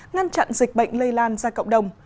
ngăn chặn dịch bệnh lây lan ra cộng đồng